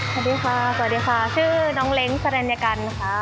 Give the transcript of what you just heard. สวัสดีค่ะสวัสดีค่ะชื่อน้องเล้งสรรยกันค่ะ